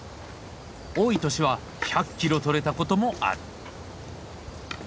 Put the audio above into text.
多い年は１００キロとれたこともある。